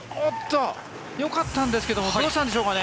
よかったんですけどどうしたんでしょうかね。